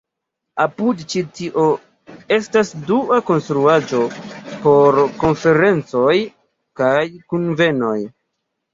Apud ĉi-tio estas dua konstruaĵo por konferencoj kaj kunvenoj.